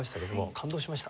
感動しました。